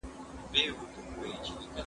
مار خوړلی، د رسۍ څخه بېرېږي.